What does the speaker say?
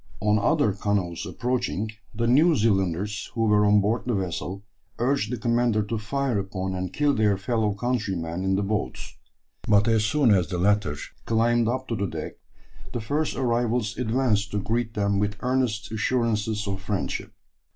On other canoes approaching, the New Zealanders who were on board the vessel urged the commander to fire upon and kill their fellow countrymen in the boats; but as soon as the latter climbed up to the deck, the first arrivals advanced to greet them with earnest assurances of friendship.